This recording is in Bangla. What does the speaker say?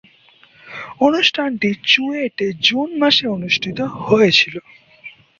অনুষ্ঠানটি চুয়েটে জুন মাসে অনুষ্ঠিত হয়েছিলো।